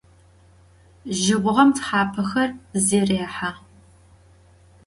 Jıbğem thapexer zêrêhe.